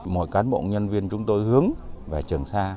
mọi cán bộ nhân viên chúng tôi hướng về trường sa